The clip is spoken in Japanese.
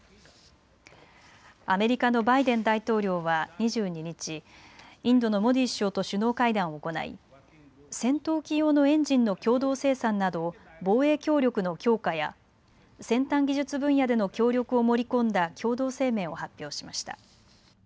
アメリカのバイデン大統領は２２日、インドのモディ首相と首脳会談を行い戦闘機用のエンジンの共同生産など防衛協力の強化や先端技術分野での協力を盛り込んだ共同声明を発表しました。